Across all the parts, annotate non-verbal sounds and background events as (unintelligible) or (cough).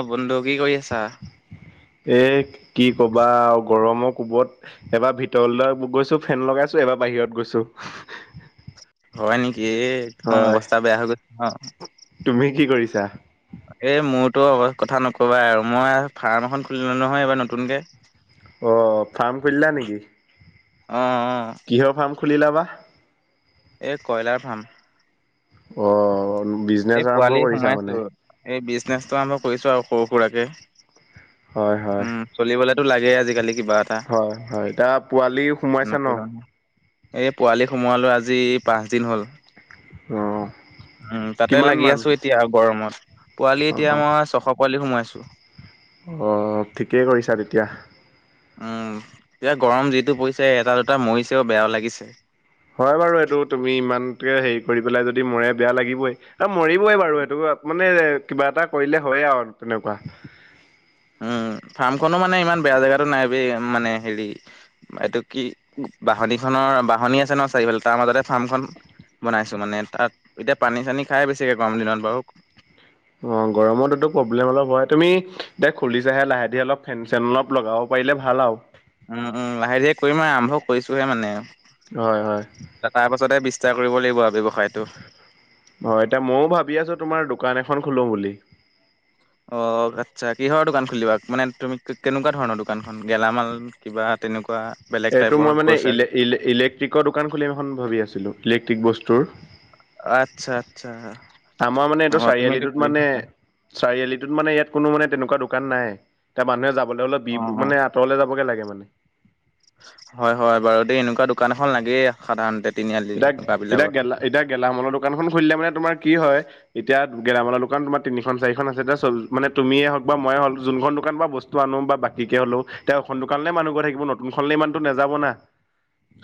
অ', বন্ধু কি কৰি আছাঁ? এই কি কবা গৰমৰ কোবত এবাৰ ভিতৰলৈ গৈছো, ফেন লগাইছো এবাৰ বাহিৰত গৈছো। হয় নেকি একদম হয় অৱস্থা বেয়া হৈ গৈছে ন। তুমি কি কৰিছা? এই মোৰতো অ', কথা নক'বা আৰু মই ফাৰ্ম এখন খুলিলোঁ নহয় এইবাৰ নতুনকে। অ', ফাৰ্ম খুলিলা নেকি? অ', অ'। কিহৰ ফাৰ্ম খুলিল বা? এই কয়লাৰ ফাৰ্ম। অ', বিজনেছ এই পোৱালি আৰম্ভ কৰিছা সোমাইছো মানে। এই বিজনেচটো আৰম্ভ কৰিছো আৰু সৰু সুৰাকে। হয় হয় উম। চলিবলৈতো লাগে আজিকালি কিবা এটা। হয় হয়। এতিয়া পোৱালি সোমাৱাইছা ন'? নকৰিলেও নহয় এই পোৱালি সোমোৱালো আজি পাঁচদিন হ'ল। অ', উম তাতে কিমান লাগি মান? আছো এতিয়া গৰমত পোৱালি এতিয়া অ মই ছশ পোৱালি সোমাৱাইছোঁ। অ', ঠিকেই কৰিছা তেতিয়া। উম এতিয়া গৰম যিটো পৰিছে এটা দুটা মৰিছেওঁ বেয়াওঁ লাগিছে। হয় বাৰু এইটো তুমি ইমানকৈ হেৰি কৰি পেলাই যদি মৰে বেয়া লাগিবই। এ মৰিবই বাৰু সেইটো মানে কিবা এটা কৰিলে হয়ে আৰু তেনেকুৱা। উম ফাৰ্মখনো মানে ইমান বেয়া জেগাতো নাই বে মানে হেৰি এইটো কি বাহনি খনৰ বাহনি আছে ন চাৰিওঁফালে তাৰ মাজতে ফাৰ্মখন বনাইছোঁ মানে তাত এতিয়া পানী-চানী খাই বেছিকে গৰম দিনত বাৰু। অ', গৰমত এইটো প্ৰব্লেম অলপ হয় তুমি এতিয়া খুলি চাহে লাহে ধীৰে অলপ ফেন চেন অলপ লগাওঁ পাৰিলে ভাল আৰু। উম উম। লাহে ধিৰে কৰিম আও আৰম্ভ কৰিছোহে মানে। হয় হয়। তাৰ পাছতে বিস্তাৰ কৰিব লাগিব আৰু ব্যৱসায়তো। হয়, এতিয়া ময়ো ভাবি আছোঁ, তোমাৰ দোকান এখন খোলোঁ বুলি। অ আচ্ছা কিহৰ দোকান খুলিবা মানে তুমি কেনেকুৱা ধৰণৰ দোকানখন গেলামাল! কিবা তেনেকুৱা বেলেগ এইটো টাইপৰ মই মানে গ্ৰ'চাৰী ইলে ইলে ইলেক্ট্ৰিকৰ দোকান খুলিম এখন ভাবি আছিলো। ইলেক্ট্ৰিক বস্তুৰ আচ্ছা, আচ্ছা আমাৰ মানে এইটো অ', তুমিতো চাৰিআলিটোত কৰি মানে থাকা চাৰিআলিটোত মানে ইয়াত কোনো মানে তেনেকুৱা দোকান নাই, এতিয়া মানুহে যাবলৈ অলপ বি অ', অ'। মানে আতৰলৈ যাবগৈ লাগে মানে। হয় হয় বাৰু দেই এনেকুৱা দোকান এখন লাগেই সাধাৰণতে তিনিআলি এতিয়া এনেকুৱ এতিয়া বিলাকত। গেলা এতিয়া গেলামলৰ দোকানখন খুলিলে মানে তোমাৰ কি হয়। এতিয়া গেলামালৰ দোকান তোমাৰ তিনিখন চাৰিখন আছে, এতিয়া মানে তুমিয়ে হওক বা ময়ে হওক যোনখন দোকান বা বস্তু আনো বা বাকীকে হ'লেও তেওঁ এখন দোকানলে মানুহ গৈ থাকিব নতুনখনলে ইমানটো নাযাব না।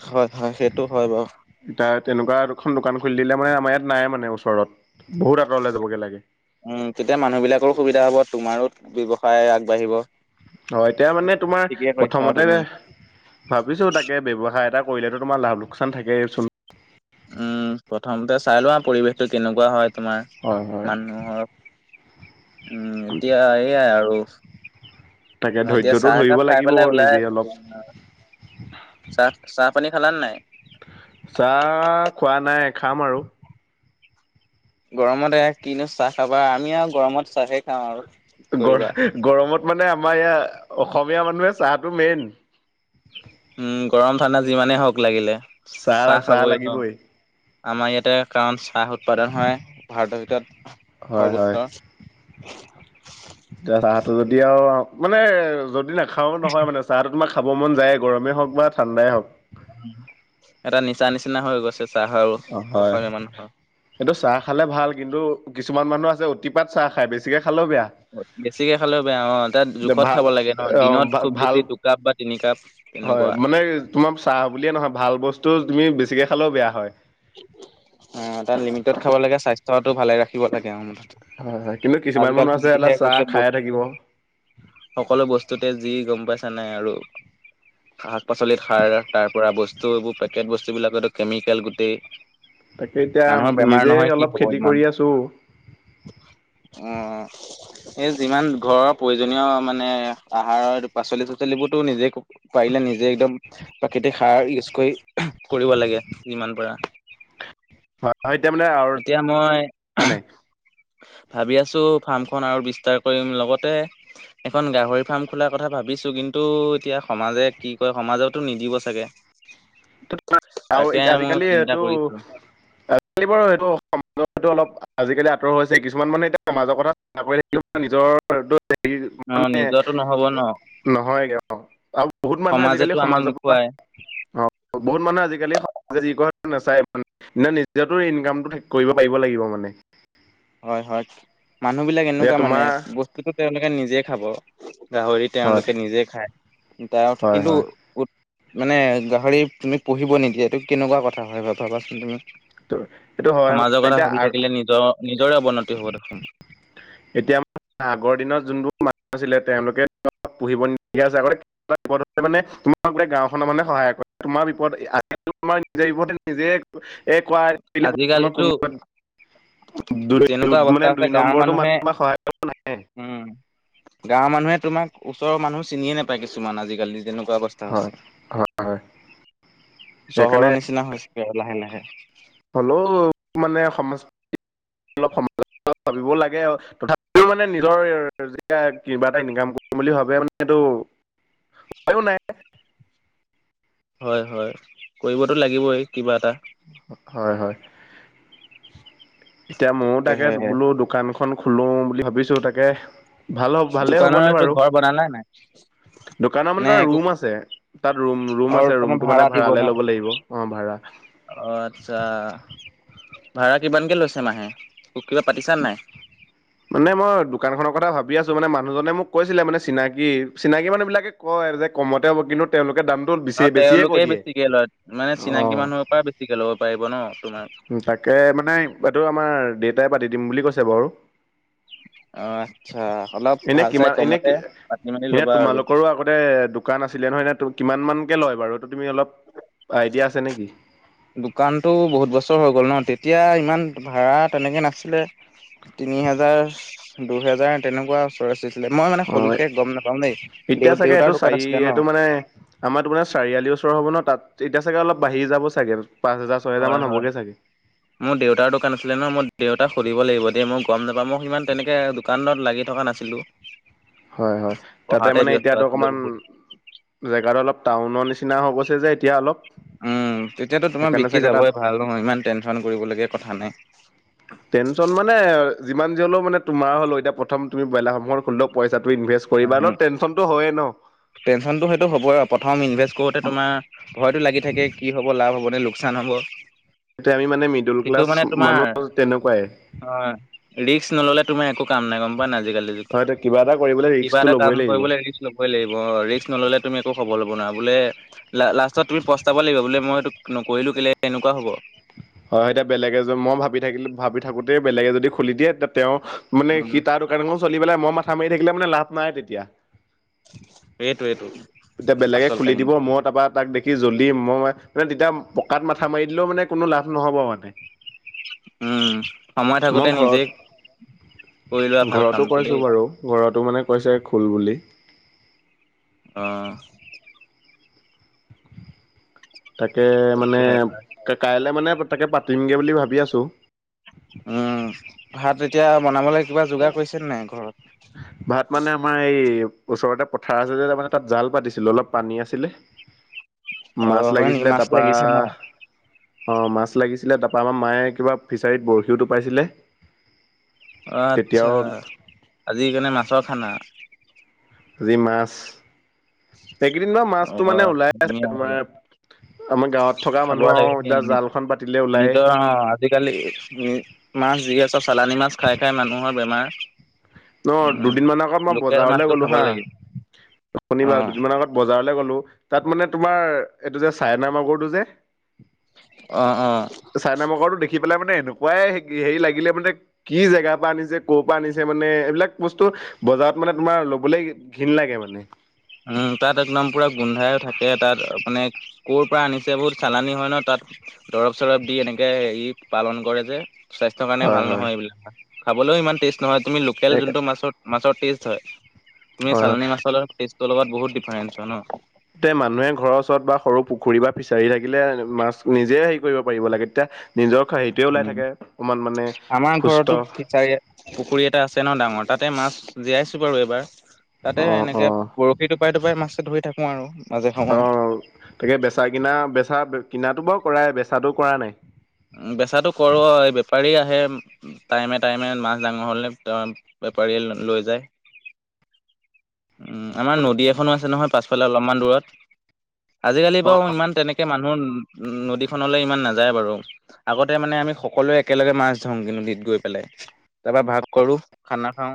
হয় হয় সেইটো হয় বাও। এতিয়া তেনেকুৱা এ দুখন দোকান খুলি দিলে মানে আমাৰ ইয়াত নাই মানে ওচৰত বহুত আঁতৰলে যাবগে লাগে। উম তেতিয়া মানুহ বিলাকৰো সুবিধা হ'ব তোমাৰো ব্যৱসায় আগবাঢ়িব। হয়, তেওঁ মানে তোমাৰ ঠিকে কৈছা আৰু প্ৰথমতে তুমি। ভাবিছোঁ তাকে ব্যৱসায় এটা কৰিলেতো তোমাৰ লাভ লোকচান থাকেই চোন। উম প্ৰথমতে চাই লোৱা পৰিৱেশ টো কেনেকুৱা হয় তোমাৰ, হয় হয় মানুহক উম এতিয়া এইয়াই আৰু। তাকে মই এতিয়া ধৈৰ্য্যটো চাহ ধৰিব একাপ খাই লাগিব পেলাই ওলাই নিজে অলপ আহিছো। চাহ চাহ পানী খাল নে নাই? চাহ খোৱা নাই খাম আৰু। গৰমত এ কিনো চাহ খাবা আমি আৰু গৰমত চাহে খাওঁ আৰু। কি গৰ কৰিবা গৰমত মানে আমাৰ ইয়া অসমীয়া মানুহে চাহটো মেইন। উম গৰম ঠাণ্ডা যিমানেই হওক লাগিলে চাহ খাবই ন। আমাৰ ইয়াতে কাৰণ চাহ উৎপাদন হয় ভাৰতৰ ভিতৰত হয় হয় সৰ্বোত্তৰ। এতিয়া চাহটো যদি আও মানে যদি নাখাও নহয় মানে চাহটো তোমাক খাব মন যায় গৰমেই হওক বা ঠাণ্ডাই হওক। উম, এটা নিচা নিচিনা হৈ গৈছে। চাহৰ অৱ হয়। অসমীয়া মানুহৰ। এইটো চাহ খালে ভাল কিন্তু, কিছুমান মানুহ আছে অতিপাত চাহ খায় বেছিকৈ খালেও বেয়া। বেছিকে খালেও বেয়া অৱ, তাত যে জোখত ভাল খাব লাগে ন অ দিনত খুব ভাল বেছি দুকাপ বা তিনি কাপ। হয় তেনেকুৱা। মানে তোমাৰ চাহ বুলিয়ে নহয় ভাল বস্তু তুমি বেছিকৈ খালেও বেয়া হয়। অৱ, এটা লিমিটত খাব লাগে স্বাস্থ্যটো ভালে ৰাখিব লাগে উম। হয় হয় কিন্তু আজি কিছুমান মানুহ আছে এটা চাহ খায়ে থাকিব কালি (unintelligible) সকলো বস্তুতে যি গম পাইছা নাই আৰু। শাক পাচলিত সাৰ তাৰ পৰা বস্তু এইবোৰ পেকেট বস্তু বিলাকো কেমিকেল গোটেই। তাকেই এতিয়া মানুহৰ নিজে অলপ খেতি কৰি আছোঁ। অৱ অৱ। এই যিমান ঘৰৰ প্ৰয়োজনীয় মানে আহাৰৰ পাচলি চাচলিবোৰতো নিজে ক পাৰিলে নিজে একদম প্ৰাকৃতিক সাৰ ইউজ কৰি কৰিব লাগে যিমান পাৰা। এতিয়া মই (unintelligible) ভাবি আছো ফাৰ্মখনন আৰু বিস্তাৰ কৰিম লগতে। এখন গাহৰি ফাৰ্ম খোলাৰ কথা ভাবিছো কিন্তু এতিয়া সমাজে কি কয় সমাজেওতো নিদিব চাগে। (unintelligible) তাকে (unintelligible) মই আজিকালি চিন্তা এইটো কৰিছো আজিকালি বাৰু সেইটো সমাজতটো অলপ আজিকালি আঁতৰ হৈছে কিছুমান মানে এতিয়া মাজৰ কথা (unintelligible) নিজৰ হেৰি অ মানে নিজৰতো নহব ন নহয় গৈ অঁ, আৰু বহুত মানুহে সমাজেতো আজিকালি আমাক সমাজৰ পৰা নোখোৱাই অ বহুত মানুহ আজিকালি সমাজে যি কয় নাচায় মানে নে, নিজেতো ইনকামটো ঠিক কৰিব পাৰিব লাগিব মানে হয় হয় মানুহ বিলাক এতিয়া এনেকুৱা মানে তোমাৰ বস্তুটো তেওঁলোকে নিজে খাব গাহৰি হয় তেওঁলোকে নিজে খায়, তাৰ হয় কিন্তু হয় উ মানে গাহৰি তুমি পুহিব নিদিয়ে এইটো কেনেকুৱা কথা হয় ভাবাচোন তুমি। এইটো হয় সমাজৰ মানে কথা এতিয়া ভাবি থাকিলে নিজৰ নিজৰে অৱনতি হব দেখোন। এতিয়া আ আগৰ দিনত যোনবোৰ মানুহ আছিলে, তেওঁলোকে পুহিব নিদিয়ে যে আগতে মানে তোমাৰ বিপদৰ সময়ত মানে গাঁওখনৰ মানহে সহায় কৰে তোমাৰ বিপদ (unintelligible) নিজে এই কোৱা এই কোৱা আজিকালিতো কোনোবা যেনেকুৱা অৱস্থা মানে আছে দুই গাঁৱৰ নম্বৰতো মানুহে মানুহ তোমাক সহায় নাহে উম, গাঁৱৰ মানুহে তোমাক ওচৰৰ মানুহ চিনিয়ে নাপায়, কিছুমান আজিকালি যেনেকুৱা ব্য স্ত হয় আছে হয় হয় সেইকাৰণে চহৰৰ নিচিনা হৈছে গৈ আৰু লাহে লাহে। হ'লেও মানে, সমাজ অলপ সমাজৰ কথা ভাবিব লাগে আৰু, তথাপিও মানে নিজৰ যেতিয়া কিবা এটা ইনকাম কৰিম বুলি ভাবে মানে এইটো (inaudible) উপাইও নাই। হয় হয় কৰিবতো লাগিবই কিবা এটা। হয় হয়, এতিয়া মইয়ো তাকে বোলো দোকান খন খোলো বুলি ভাবিছো তাকে ভাল হব ভালেই দোকানৰ হ'বনে এইটো বাৰু, ঘৰ বনালা নাই দোকান মানে নে এটা একো ৰুম আছে। তাত ৰুম ৰুম আৰু আছে তোমাৰ ৰুমটো মানে ভাড়া দিব ভাড়ালৈ ন? ল'ব লাগিব অ' ভাড়া। অ' আচ্ছা, ভাড়া কিমানকে লৈছে মাহে কিবা পাতিছা নাই? মানে মই দোকান খনৰ কথা ভাবি আছো। মানে মানুহজনে মোক কৈছিলে মানে চিনাকি চিনাকি মানুহ বিলাকে কয় এ যে কমতে হ'ব কিন্তু তেওঁলোকে দামটো বেছি নহয়, বেছিয়ে কৈ তেওঁলোকে দিয়ে বেছিকে লয় মানে অ চিনাকি মানুহৰ পৰা বেছিকে ল'ব পাৰিব ন তোমাৰ। তাকে মানে এইটো আমাৰ দেউতাই পাতি দিম বুলি কৈছে বাৰু। অ' আচ্ছা অলপ এনে, ভাল চাই কিমান এনে কমতে কি পাতি মেলি এনে ল'বা আৰু। তোমালোকৰো আগতে দো কান আছিলে নহয় ন কিমান মানকে লয় বাৰু, এইটো তুমি অলপ আইডিয়া আছে নেকি? দোকানটো বহুত বছৰ হৈ গ'ল ন তেতিয়া ইমান ভাড়া তেনেকৈ নাছিলে। তিনি হেজাৰ দুহেজাৰ তেনেকুৱা ওচৰ আছি লে মই মানে অ', সবিশেষ গম নাপাম দেই, এতিয়া দেউ চাগে এইটো দেউতাৰ দোকান চাৰি আছিলে ন। এইটো মানে আমাৰ তোমাৰ চাৰিআলিৰ ওচৰ হ'ব ন তাত এতিয়া চাগৈ অলপ বাঢ়ি যাব চাগৈ, পাঁচ হাজাৰ ছয় হাজাৰ হয় মান হয়। হবগৈ চাগৈ। মোৰ দেউতাৰ দোকান আছিলে ন, মই দেউতাক সুধিব লাগিব দেই মই গম নাপাওঁ মোক সিমান তেনেকে দোকানত লাগি থকা নাছিলো। (inaudible) হয় হয়, তাতে পঢ়াতে মানে ব্যস্ত এতিয়াতো আছিলো অকমান বহুত। জেগাটো অলপ টাউনৰ নিচিনা হৈ গৈছে যে এতিয়া অলপ উম, তেতিয়াতো তোমাৰ সেইকাৰণে বিক্ৰী চাগে তাত যাবই ভাড়ালৈ ইমান টেনচন কৰিব লগীয়া কথা নাই। টেনচন মানে, যিমান যি হ'লেও মানে তোমাৰ হ'লেও এতিয়া প্ৰথম বইলাৰ ফাৰ্মখন খোলোতেও পইচাটো ইনভেষ্ট কৰিবা উম, অলপ টেনচনটো হয়েই ন। টেনচনটো সেইটো হ'বই আৰু প্ৰথম ইনভেষ্ট কৰোতে তোমাৰ ভয়তো লাগি থাকে, কি হ'ব লাভ হ'বনে, লোকচান হ'ব। এয়াই আমি মানে, মিডিল কিন্তু ক্লাছ মানে তোমাৰ মানুহ তেনেকুৱাই। অ, ৰিস্ক নল'লে তোমাৰ একো কাম নাই, গম পোৱা নে আজিকালি যুগত। হয় কিবা এটা কৰি পালে কিবা ৰিস্কটো এটা কাম ল'বই লাগিব। কৰিবলৈ ৰিস্ক ল'বই লাগিব ৰিস্ক নল'লে তুমি একো সফল হ'ব নোৱাৰা। বোলে লা, লাষ্টত তুমি পস্তাব লাগিব, বোলে মই এইটো নকৰিলো কেলে এনেকুৱা হ'ব। হয়, এতিয়া বেলেগে মই ভাবি থাকিল, ভাবি থাকোতেই বেলেগে যদি খুলি দিয়ে তেতিয়া তেওঁ মানে উম, সি তাৰ দোকান চলি পেলাই, মই মাথা মাৰি থাকিলে মানে লাভ নাই তেতিয়া। এইটো-এইটো এতিয়া বেলেগে আচল খুলি কাহিনী দিব, মোৰ তাৰপৰা তাক দে কি জ্বলি মই মানে তেতিয়া পকাত মাথা মাৰি দিলেও মানে, কোনো লাভ নহ'ব মানে। উম, সময় মই থাকোতে ঘৰত নিজেই, কৰি লোৱা ভাল ঘৰতো কামটো কৈছো দেই। বাৰু ঘৰতো মানে কৈছে, খোল বুলি। অ, তাকে মানে তাকে কাইলৈ মানে, পইতেকেপাতিম গৈ বুলি ভাবি আছোঁ। উম, ভাত এতিয়া বনাব লাগিব যোগাৰ কৰিছেনে নাই ঘৰত? ভাত মানে আমাৰ এই ওচৰতে পথাৰ আছে যে, তাত জাল পাতিছিলো অলপ পানী আছিলে। (inaudible) মাছ অ' হয় নেকি লাগিছিলে মাছ তাপা লাগিছে ন? অ, মাছ লাগিছিলে তাৰপৰা আমাৰ মায়ে কিবা ফিছাৰীত বৰশীও টোপাইছিলে। অ, আচ্ছা আজি সেই কাৰণে মাছৰ খানা। আজি মাছ, এইকেইদিনমান মাছটো মানে অ' ওলাই আছে ধুনীয়া তোমাৰ বাৰু আমি গাঁৱত থকা খাব মানুহৰ আৰু, লাগে এতিয়া জালখন পাতিলে ওলায়। নিজৰ অ' আজিকালি, মাছ যি আছে সব চালানি মাছ খাই খাই মানুহৰ বেমাৰ। ন, উম। দুদিনমান আগত মই লোকেল বজাৰলৈ মাছটো গ'লো খাব হা, লাগে শনিবাৰ অ' দুদিনমান আগত বজাৰলৈ গ'লো তাত মানে তোমাৰ এইটো যে চাইনা মাগুৰটো যে অ, অ, চাইনা মগৰটো দেখি পেলাই মানে এনেকুৱাই হেৰি লাগিলে মানে কি জাগাৰ পে, আনিছে ক'ৰ পাআনিছে মানে এইবিলাক বস্তু বজাৰত মানে তোমাৰ ল'বলৈ ঘিণ লাগে মানে। উম, তাত একদম পুৰা গোন্ধাই থাকে, তাত মানে ক'ৰ পৰা আনিছে বহুত চালানি হয় ন, তাত দৰব- চৰব দি এনেকে এই পালন কৰে যে। স্বাস্থ্যৰ কাৰণে হয় ভাল হয় নহয়, এইবিলাক খাবলৈও ইমান টেষ্ট নহয় তুমি লোকেল হয় যোনটো মাছৰ মাছৰ টেষ্ট হয়, তুমি হয় চালানী মাছৰ টেষ্টৰ লগত বহুত ডিফাৰেন্ঞ্চ হয় ন। তে, মানুহে ঘৰৰ ওচৰত বা সৰু পুখুৰী বা ফিছাৰী থাকিলে মাছ নিজে হেৰি কৰিব পাৰিব লাগে তেয়া নিজৰ খাদ, ওলাই উম, থাকে ইমান মানে আমাৰ ঘৰতো সুস্থ ফিচাৰী পুখুৰী এটা আছে ন, ডাঙৰ তাতে মাছ জীয়াইছো বাৰু এইবাৰ। তাতে অ এনেকে বৰশী টোপাই, টোপাই মাছে ধৰি থাকো আৰু মাজে অ সময়ে। তাকে বেচা- কিনা বেচা কিনাটো বৰু কৰাই বেচাটো কৰা নাই? বেচাটো কৰো, এই বেপাৰী আহে। টাইমে, টাইমে মাছ ডাঙৰ হ'লে বেপাৰীয়ে লৈ যায়। উম, আমাৰ নদী এখনো আছে নহয়, পাছফালে অলপমান দূৰত, আজিকালি অ বাৰু ইমান তেনেক মানুহ, নদীখনলৈ ইমান নাযায় বাৰু। আগতে মানে আমি সকলোৱে একেলগে মাছ ধৰো নদীত গৈ পেলাই, তাৰ পৰা ভাগ কৰো। খানা খাওঁ,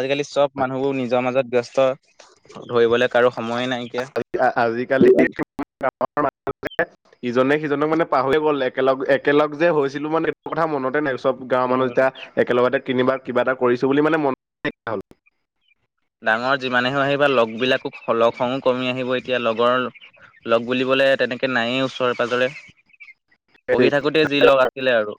আজিকালি চব মানুহবোৰ নিজৰ মাজত ব্যস্ত, ধৰিবলৈ কাৰো সময়ে নাই। আজিকালি (unintelligible) (unintelligible) ইজনে-সিজনক মানে পাহৰি গ'ল, একেলগ-একেলগ যে হৈছিলো মানে এইটো কথা মনতে নাই, চব গাঁৱৰ মানুহ উম, যেতিয়া একেলগতে কিনিবা কিবা এটা কৰিছো বুলি মানে মনো নাইকীয়া হ'ল। ডাঙৰ যিমানে হৈ আহিবা, লগবিলাকক লগ-সং কমি আহিব। এতিয়া লগৰ লগ বুলিবলে তেনেকে নায়য়েই ওচৰে-পাজৰে, হ'ল। পঢ়ি থাকোতে যি লগ আছিলে আৰু।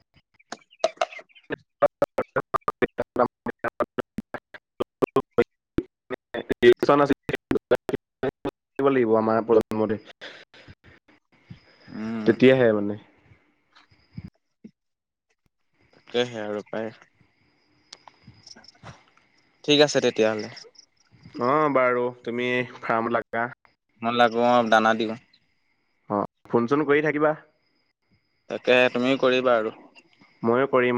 (unintelligible) (unintelligible) (unintelligible) উম, তেতিয়াহে মানে তাকেহে, আৰু পায়। ঠিক আছে, তেতিয়াহ'লে। অ', বাৰু! তুমি ফাৰ্মত লাগা। মই লাগো অ', দানা দিওঁ। অ', ফোন-চোন কৰি থাকিবা। তাকে, তুমিও কৰিবা আৰু। ময়ো কৰিম।